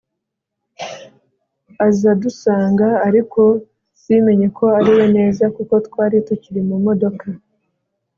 aza adusanga ariko simenye ko ariwe neza kuko twari tukiri mu modoka